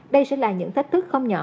đây sẽ là những thách thức không nhỏ